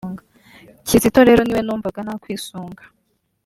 Kizito rero niwe numvaga nakwisunga